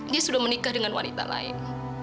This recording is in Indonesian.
dia sudah menikah dengan wanita lain